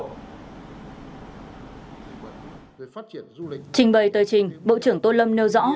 trình bày tờ trình bộ trưởng tô lâm nêu rõ